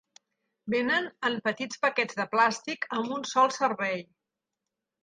Vénen en petits paquets de plàstic amb un sol servei.